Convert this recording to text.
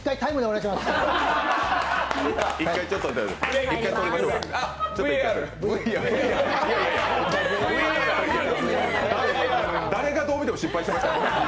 いやいや、誰がどう見ても失敗してましたよ。